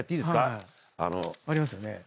ありますよね。